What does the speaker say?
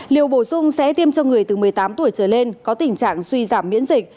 liều bổ sung sẽ tiêm cho người từ một mươi tám tuổi trở lên có tình trạng suy giảm miễn dịch